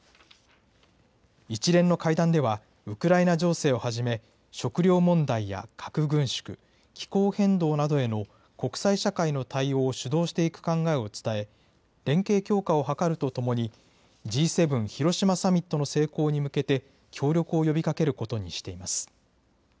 一連の会談では、ウクライナ情勢をはじめ、食料問題や核軍縮、気候変動などへの国際社会の対応を主導していく考えを伝え、連携強化を図るとともに、Ｇ７広島サミットの成功に向けて、協力を呼びかけることにしています。